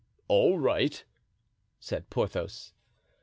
"All right," said Porthos.)